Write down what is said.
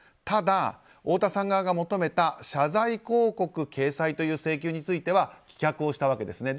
ただ、太田さん側が求めた謝罪広告掲載という請求については棄却をしたわけです。